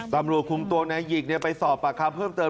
สำรวจคุ้มตัวเนื้อหญิกไปสอบประคำเพิ่มเติม